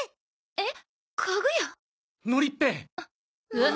えっ！？